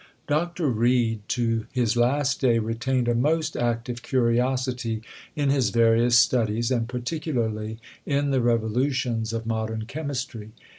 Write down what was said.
Dr. Reid, to his last day, retained a most active curiosity in his various studies, and particularly in the revolutions of modern chemistry.